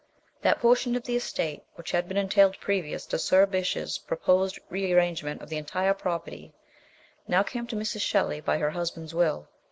That portion of the estate which had been entailed previous to Sir Bysshe's proposed rearrangement of the entire property now came to Mrs. Shelley by her hus band's will.